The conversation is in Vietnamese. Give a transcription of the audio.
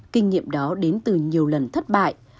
kinh nghiệm đó đến từ nhiều lần thất bại